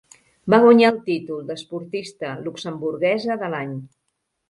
Va guanyar el títol d'esportista luxemburguesa de l'any.